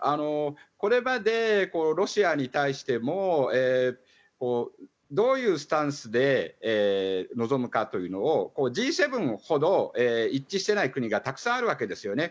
これまでロシアに対してもどういうスタンスで臨むかというのをＧ７ほど一致していない国がたくさんあるわけですよね。